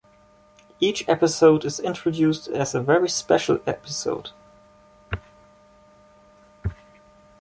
Each episode is introduced as a very special episode.